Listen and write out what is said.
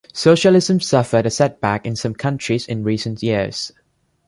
Socialism suffered a setback in some countries in recent years.